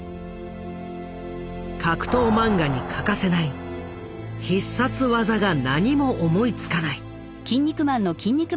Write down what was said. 格闘漫画に欠かせない必殺技が何も思いつかない。